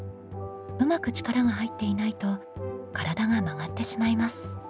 うまく力が入っていないと体が曲がってしまいます。